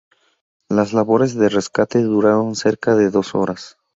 Las labores de rescate duraron cerca de dos horas.